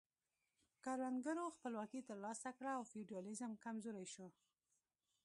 کروندګرو خپلواکي ترلاسه کړه او فیوډالیزم کمزوری شو.